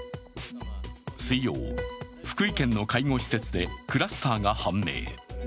水曜、福井県の介護施設でクラスターが判明。